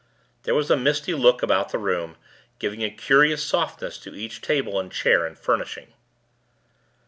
There was a misty look about the room, giving a curious softness to each table and chair and furnishing.